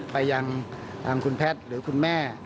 ไปยังคุณแพทย์หรือคุณแม่